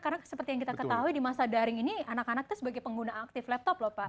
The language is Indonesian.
karena seperti yang kita ketahui di masa daring ini anak anak itu sebagai pengguna aktif laptop loh pak